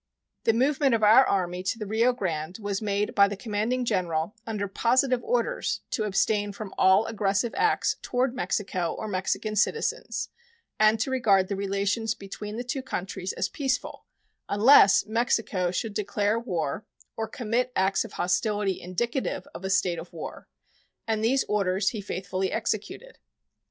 The movement of our Army to the Rio Grande was made by the commanding general under positive orders to abstain from all aggressive acts toward Mexico or Mexican citizens, and to regard the relations between the two countries as peaceful unless Mexico should declare war or commit acts of hostility indicative of a state of war, and these orders he faithfully executed.